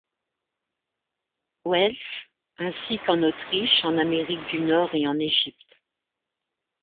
Wells —, ainsi qu'en Autriche, en Amérique du Nord et en Égypte.